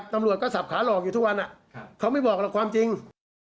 ตำรวจก็สับขาหลอกอยู่ทุกวันเขาไม่บอกหรอกความจริง